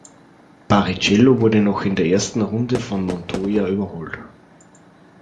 Barrichello wurde noch in der ersten Runde von Montoya überholt.